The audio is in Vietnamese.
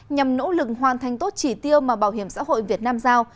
nhằm nỗ lực hoàn thành tốt chỉ tiêu mà bảo hiểm xã hội việt nam giao